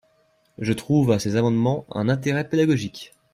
Je trouve à ces amendements un intérêt pédagogique.